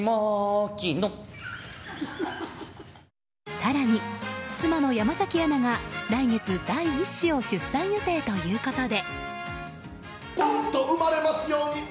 更に妻の山崎アナが来月第１子を出産予定ということで。